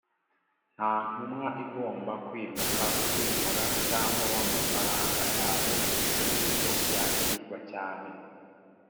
nta ntumwa igomba kwimuka kwimura cyangwa w amafaranga yabo n uburyo yakirwa cyane